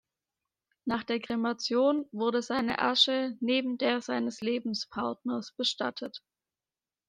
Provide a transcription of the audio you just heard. Nach der Kremation wurde seine Asche neben der seines Lebenspartners bestattet.